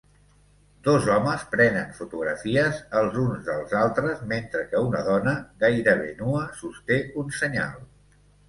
Dos homes prenen fotografies els uns dels altres mentre que una dona gairebé nua sosté un senyal